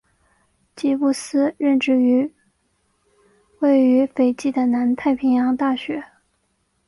吉布斯任职于位于斐济的南太平洋大学。